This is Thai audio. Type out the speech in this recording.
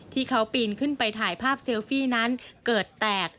ที่เขาปีนขึ้นไปถ่ายภาพเซลฟี่นั้นเกิดแตก